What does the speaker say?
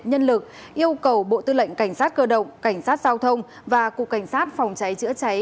nhân lực yêu cầu bộ tư lệnh cảnh sát cơ động cảnh sát giao thông và cục cảnh sát phòng cháy chữa cháy